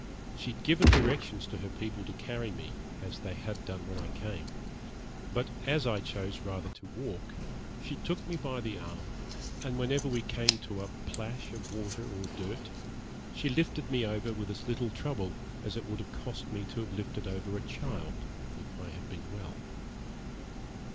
She had given directions to her people to carry me, as they had done when I came, but as I chose rather to walk, she took me by the arm, and whenever we came to a plash of water or dirt, she lifted me over with as little trouble as it would have cost me to have lifted over a child, if I had been well.'